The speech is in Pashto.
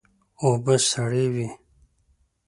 اوبه سړې وې.